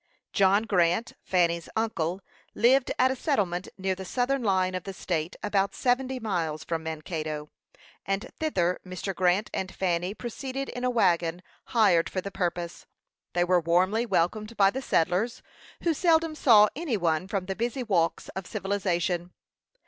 John Grant, Fanny's uncle, lived at a settlement near the southern line of the state, about seventy miles from Mankato; and thither Mr. Grant and Fanny proceeded in a wagon, hired for the purpose. They were warmly welcomed by the settlers, who seldom saw any one from the busy walks of civilization.